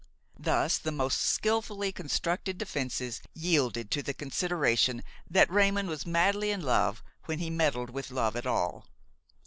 Thus the most skilfully constructed defences yielded to the consideration that Raymon was madly in love when he meddled with love at all.